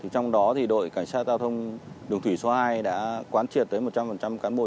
trong đó đội cảnh sát giao thông đường thủy số hai đã quán triệt tới một trăm linh cán bộ